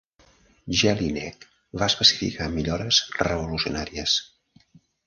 Jellinek va especificar millores revolucionàries.